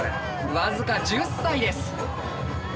僅か１０歳です。